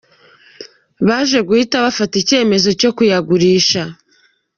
Baje guhita bafata icyemezo cyo kuyagurisha.